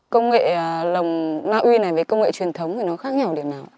công nghệ lồng la uy này với công nghệ truyền thống khác nhau điểm nào